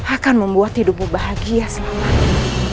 akan membuat hidupmu bahagia selama ini